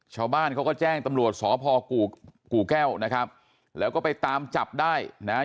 ชาวบ้านเขาก็แจ้งตำรวจสพกู่แก้วนะครับแล้วก็ไปตามจับได้นะฮะ